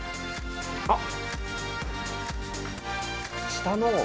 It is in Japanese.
あっ！